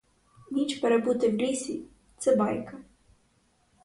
Ніч перебути в лісі — це байка.